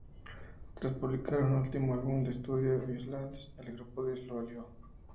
Tras publicar un último álbum de estudio, "Islands", el grupo se disolvió.